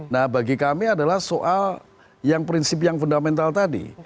nah bagi kami adalah soal yang prinsip yang fundamental tadi